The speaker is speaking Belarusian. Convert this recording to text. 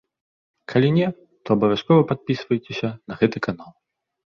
Калі не, то абавязкова падпісвайцеся на гэты канал.